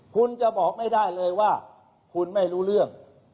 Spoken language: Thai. คุณจะบอกไม่ได้เลยว่าคุณไม่รู้เรื่อง